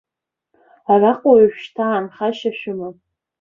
Араҟа ожәшьҭа аанхашьа шәымам!